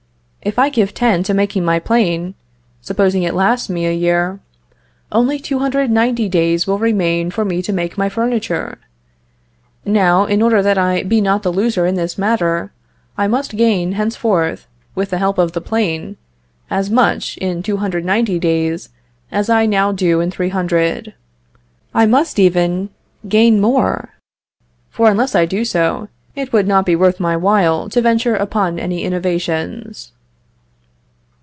If I give ten to making my plane, supposing it lasts me a year, only 290 days will remain for me to make my furniture. Now, in order that I be not the loser in this matter, I must gain henceforth, with the help of the plane, as much in 290 days, as I now do in 300. I must even gain more; for unless I do so, it would not be worth my while to venture upon any innovations."